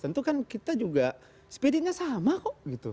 tentu kan kita juga spiritnya sama kok gitu